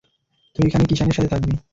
তুই এখানে কিষাণের সাথে থাকবি।